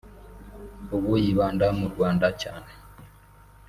ubu yibanda mu Rwanda cyane